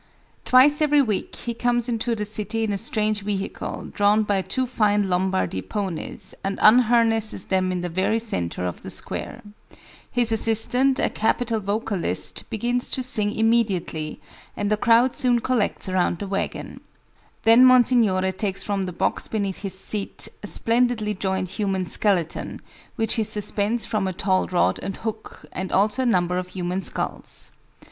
Twice every week, he comes into the city in a strange vehicle, drawn by two fine Lombardy ponies, and unharnesses them in the very centre of the square. His assistant, a capital vocalist, begins to sing immediately, and a crowd soon collects around the wagon. Then Monsignore takes from the box beneath his seat a splendidly jointed human skeleton, which he suspends from a tall rod and hook, and also a number of human skulls.